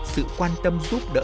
sự quan tâm giúp đỡ